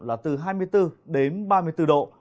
là từ hai mươi bốn đến ba mươi bốn độ